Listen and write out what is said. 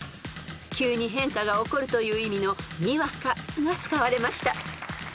［急に変化が起こるという意味の「俄」が使われました］